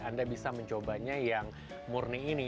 anda bisa mencobanya yang murni ini